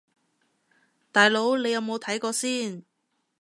大佬你有冇睇過先